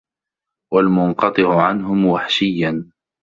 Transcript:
وَالْمُنْقَطِعُ عَنْهُمْ وَحْشِيًّا